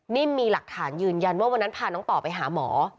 มีหลักฐานยืนยันว่าวันนั้นพาน้องต่อไปหาหมอ